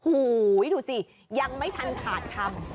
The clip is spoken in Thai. หูยยยทุกสี่ยังไม่ทันผ่านคำ